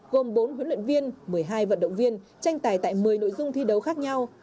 gồm bốn huấn luyện viên một mươi hai vận động viên tranh tài tại một mươi nội dung thi đấu khác nhau